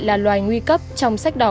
là loài nguy cấp trong sách đỏ